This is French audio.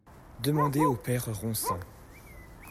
Demandez au Père Ronsin.